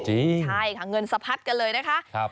ใช่ค่ะเงินสะพัดกันเลยนะคะ